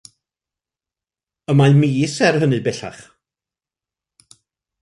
Y mae mis er hynny bellach.